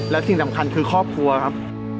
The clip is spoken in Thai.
และสิ่งสำคัญคือครอบครัวครับ